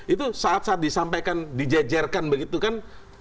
itu saat saat disampaikan dijajarkan begitu kan